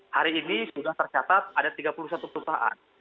hari ini sudah tercatat ada tiga puluh satu perusahaan